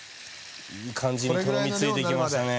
いい感じにとろみついてきましたね。